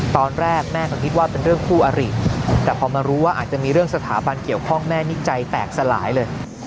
ตอนแรกแม่ก็คิดว่าเป็นเรื่องคู่อริแต่พอมารู้ว่าอาจจะมีเรื่องสถาบันเกี่ยวข้องแม่นี่ใจแตกสลายเลย